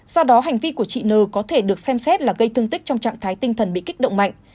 do đó hành vi của chị nư có thể được xem xét là gây thương tích trong trạng thái tinh thần bị kích động mạnh